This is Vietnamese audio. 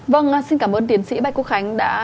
vâng xin cảm ơn tiến sĩ bài quốc khánh đã